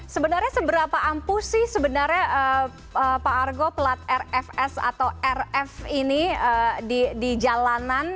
sebenarnya seberapa ampuh sih sebenarnya pak argo pelat rfs atau rf ini di jalanan